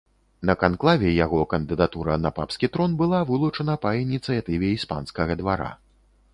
На канклаве яго кандыдатура на папскі трон была вылучана па ініцыятыве іспанскага двара.